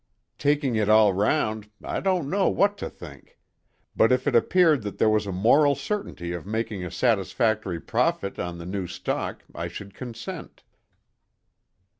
Taking it all round, I don't know what to think; but if it appeared that there was a moral certainty of making a satisfactory profit on the new stock, I should consent."